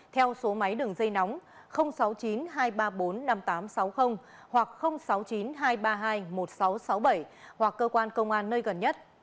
theo số máy đường dây nóng sáu mươi chín hai trăm ba mươi bốn năm nghìn tám trăm sáu mươi hoặc sáu mươi chín hai trăm ba mươi hai một nghìn sáu trăm sáu mươi bảy hoặc cơ quan công an nơi gần nhất